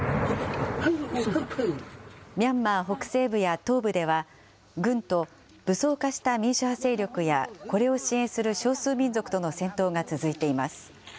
ミャンマー北西部や東部では、軍と、武装化した民主派勢力や、これを支援する少数民族との戦闘が続いています。